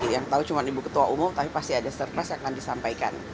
yang tahu cuma ibu ketua umum tapi pasti ada surprise yang akan disampaikan